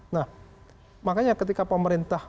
nah makanya ketika pemerintah